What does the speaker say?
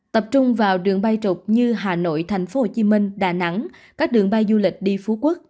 tập trung vào đường bay trục như hà nội tp hcm đà nẵng các đường bay du lịch đi phú quốc